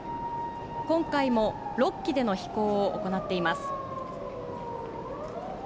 今回も６機での飛行を行っています。